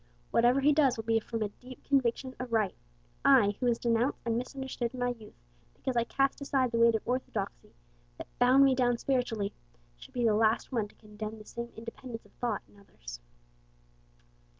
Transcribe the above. Whatever he does, will be from a deep conviction of right. I, who was denounced and misunderstood in my youth because I cast aside the weight of orthodoxy that bound me down spiritually, should be the last one to condemn the same independence of thought in others.'"